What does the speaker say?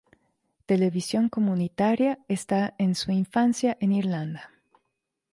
Televisión Comunitaria está en su infancia en Irlanda.